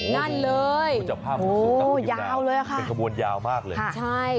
นั่นเลยโอ้ยาวเลยค่ะเป็นขบวนยาวมากเลยใช่